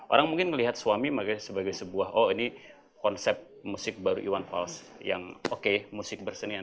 orang mungkin melihat suami sebagai sebuah oh ini konsep musik baru iwan fals yang oke musik bersenian